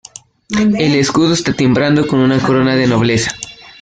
El escudo está timbrado con una corona de nobleza.